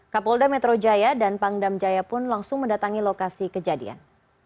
kapolda metro jaya dan pangdam jaya pun langsung mendatangi lokasi kejadian